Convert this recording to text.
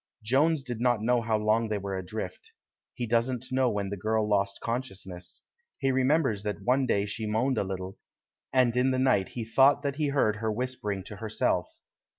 Jones doesn't know how long they were adrift. He doesn't know when the girl lost consciousness. He remembers that one day she moaned a little, and in the night he thought that he heard her whispering to herself.